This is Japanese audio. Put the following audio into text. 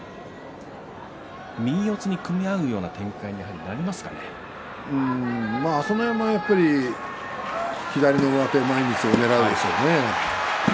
右四つに組み合うような展開に朝乃山は左の上手前みつをねらうでしょうね。